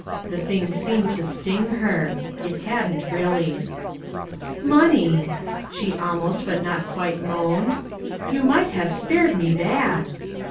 The thing seemed to sting her (it hadn't really). "Money!" she almost but not quite moaned. "You might have spared me that!"